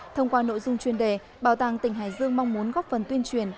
thông qua nội dung chuyên đề bảo tàng tỉnh hải dương mong muốn góp phần tuyên truyền